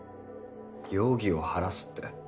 容疑を晴らすって？